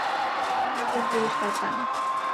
তিনি নোবেল পুরস্কার পান।